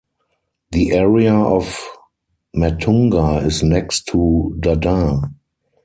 The area of Matunga is next to Dadar.